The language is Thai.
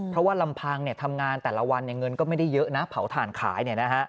เพราะว่าลำพังทำงานแต่ละวันเงินก็ไม่ได้เยอะนะเผาถ่านขาย